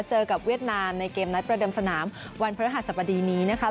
เจอกับเวียดนามในเกมนัดประเดิมสนามวันพระรหัสบดีนี้นะคะ